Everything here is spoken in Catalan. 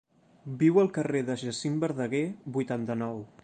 Viu al carrer de Jacint Verdaguer, vuitanta-nou.